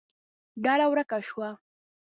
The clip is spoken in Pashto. ډله ورکه شوه.